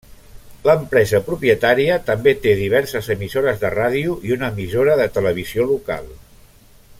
L'empresa propietària també té diverses emissores de ràdio i una emissora de televisió local.